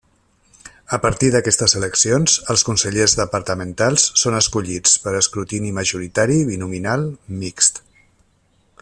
A partir d'aquestes eleccions els consellers departamentals són escollits per escrutini majoritari binominal mixt.